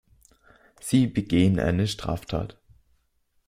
Sie begehen eine Straftat.